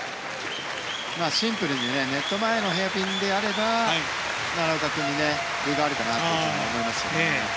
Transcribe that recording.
シンプルにネット前のヘアピンであれば奈良岡君に分があるかなと思いますよね。